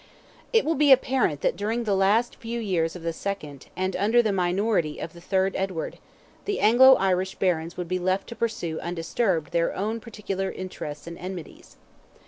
It will be apparent that during the last few years of the second, and under the minority of the third Edward, the Anglo Irish Barons would be left to pursue undisturbed their own particular interests and enmities.